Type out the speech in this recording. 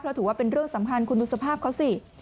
เพราะถือว่าเป็นเรื่องสำคัญคุณดูสภาพเขาสิ